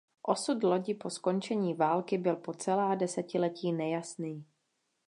Osud lodi po skončení války byl po celá desetiletí nejasný.